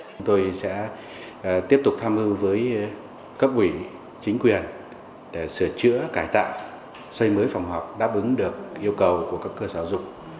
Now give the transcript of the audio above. chúng tôi sẽ tiếp tục tham hư với cấp ủy chính quyền để sửa chữa cải tạo xây mới phòng học đáp ứng được yêu cầu của các cơ sở dục